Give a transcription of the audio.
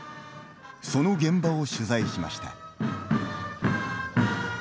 その現場を取材しました。